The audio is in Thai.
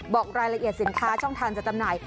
บอกรายละเอียดสินค้าช่องทางจะจำหน่าย